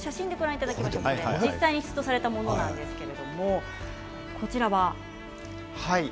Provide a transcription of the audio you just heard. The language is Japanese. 実際に出土されたものなんですけれどもこちらは。